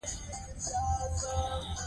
اجمل خټک د ښوونځي ښوونکی و.